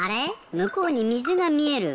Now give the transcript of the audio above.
むこうにみずがみえる。